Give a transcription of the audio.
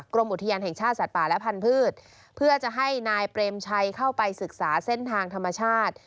กรมอุทยานแห่งชาติสัตว์ป่าและพันธุ์เพื่อจะให้นายเปรมชัยเข้าไปศึกษาเส้นทางธรรมชาติ